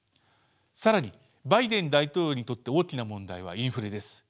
更にバイデン大統領にとって大きな問題はインフレです。